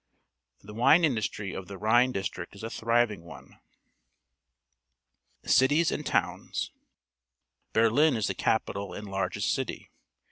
The wine industry of the Rhine district is a thriving one. Cities and Towns. — Berlin is the capital and largest city.